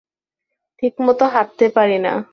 ঠিকমতো হাঁটতে পারি না।